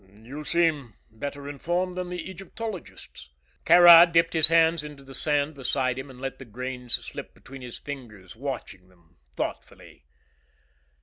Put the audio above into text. "You seem better informed than the Egyptologists!" Kāra dipped his hands into the sand beside him and let the grains slip between his fingers, watching them thoughtfully.